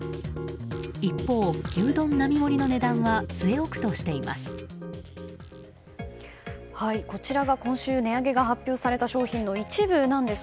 一方、牛丼並盛りの値段は据え置くとしています。